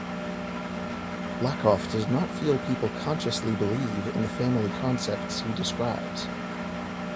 Lakoff does not feel people consciously believe in the family concepts he describes.